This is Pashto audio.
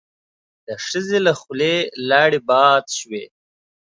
د ښځې له خولې لاړې باد شوې.